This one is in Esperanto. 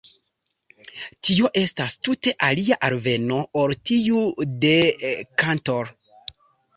Tio estas tute alia alveno ol tiu de Cantor.